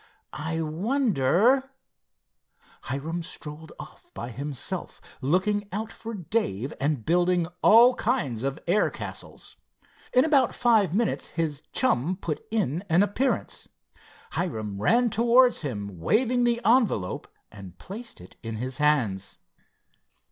I wonder——" Hiram strolled off by himself, looking out for Dave, and building all kinds of air castles. In about five minutes his chum put in an appearance. Hiram ran towards him, waving the envelope, and placed it in his hands.